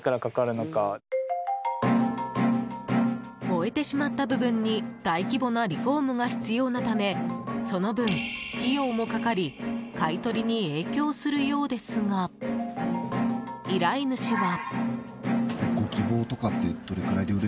燃えてしまった部分に大規模なリフォームが必要なためその分、費用もかかり買い取りに影響するようですが依頼主は。